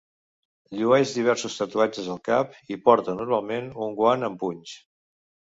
Llueix diversos tatuatges al cap i porta normalment un guant amb punys.